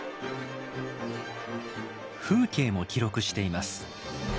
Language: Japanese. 風景も記録しています。